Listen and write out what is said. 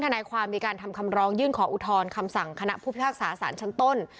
นายความมีการทำคำร้องยื่นขออุทธรณ์คำสั่งคณะผู้พิพากษาสารชั้นต้น